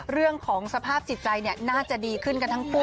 เรื่องของสภาพสิทธิใจเนี่ยน่าจะดีขึ้นกันทั้งผู้